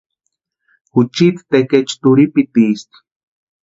Juchiti tekechu turhipitiisti.